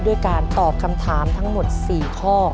ด้วยการตอบคำถามทั้งหมด๔ข้อ